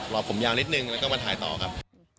ผมยาวนิดนึงแล้วก็มาถ่ายต่อครับ